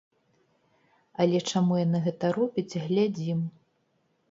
Але чаму яны гэта робяць, глядзім.